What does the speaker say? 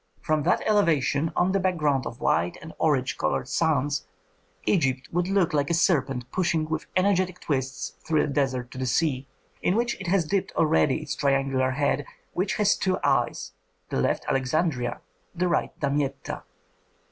From that elevation, on the background of white and orange colored sands, Egypt would look like a serpent pushing with energetic twists through a desert to the sea, in which it has dipped already its triangular head, which has two eyes, the left Alexandria, the right Damietta.